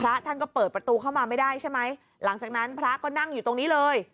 พระท่านก็เปิดประตูเข้ามาไม่ได้ใช่ไหมหลังจากนั้นพระก็นั่งอยู่ตรงนี้เลย